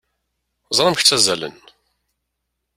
Ẓer amek ttazzalen!